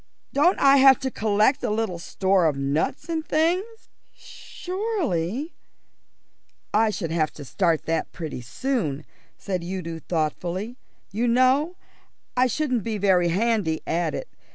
Don't I have to collect a little store of nuts and things?" "Surely " "I should have to start that pretty soon," said Udo thoughtfully. "You know, I shouldn't be very handy at it.